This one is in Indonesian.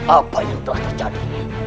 apa yang telah terjadi